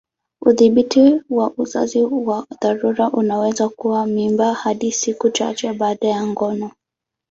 Udhibiti wa uzazi wa dharura unaweza kuua mimba hadi siku chache baada ya ngono.